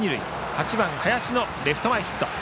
８番、林のレフト前ヒット。